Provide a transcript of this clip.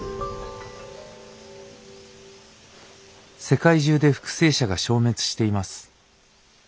「世界中で復生者が消滅しています。